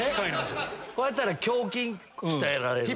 こうやったら胸筋鍛えられる。